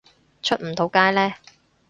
出唔到街呢